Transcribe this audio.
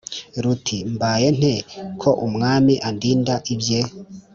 ruti:" mbaye nte ko umwami andinda ibye,